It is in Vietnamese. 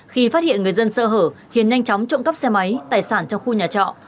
khi phát hiện người dân sơ hở hiền nhanh chóng trộm cắp xe máy tài sản trong khu nhà trọ